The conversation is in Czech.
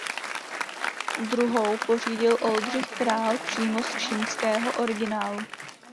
Druhou pořídil Oldřich Král přímo z čínského originálu.